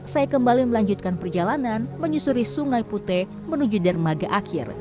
saya kembali melanjutkan perjalanan menyusuri sungai putih menuju dermaga akhir